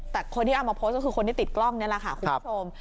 แต่คนที่เอามาโพสต์ก็คือคนที่ติดกล้องนี่แหละค่ะคุณผู้ชม